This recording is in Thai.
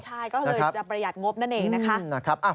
ใช่ก็เลยจะประหยัดงบนั่นเองนะคะ